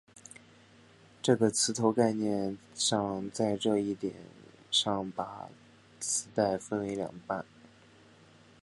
这个磁头概念上在这一点上把磁带分为两半。